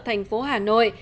thành phố hà nội